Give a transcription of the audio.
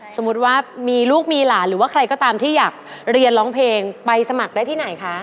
สมมุติว่ามีลูกมีหลานหรือว่าใครก็ตามที่อยากเรียนร้องเพลงไปสมัครได้ที่ไหนคะ